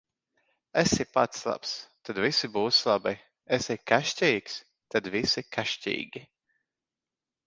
Esi pats labs, tad visi būs labi; esi kašķīgs, tad visi kašķīgi.